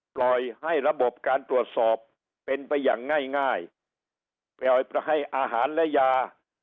ปล่อยให้ระบบการตรวจสอบเป็นไปอย่างง่ายง่ายปล่อยให้อาหารและยา